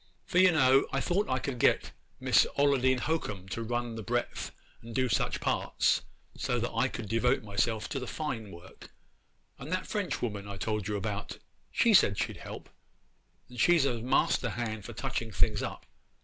For, you know, I thought I could get Miss Ollodine Hocum to run the breadth and do such parts, so that I could devote myself to the fine work; and that French woman I told you about, she said she'd help, and she's a master hand for touching things up.